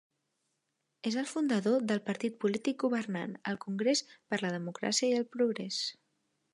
És el fundador del partit polític governant, el Congrés per la Democràcia i el Progrés.